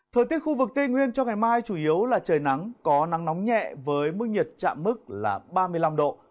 thời tiết khu vực tây nguyên trong ngày mai chủ yếu là trời nắng có nắng nóng nhẹ với mức nhiệt chạm mức là ba mươi năm độ